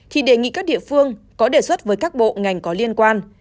thì đề nghị các địa phương có đề xuất với các bộ ngành có liên quan